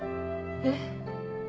えっ？